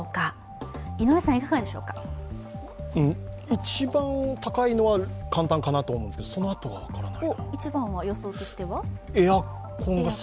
一番高いのは簡単かなと思うんですけど、そのあとは分からないな。